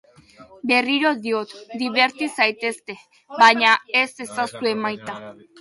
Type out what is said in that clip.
Berriro diot, diberti zaitezte, baina ez ezazue maita.